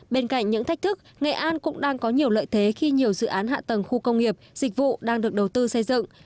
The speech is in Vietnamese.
bên cạnh những thách thức nghệ an cũng đang có nhiều lợi thế khi nhiều dự án hạ tầng khu công nghiệp dịch vụ đang được đầu tư xây dựng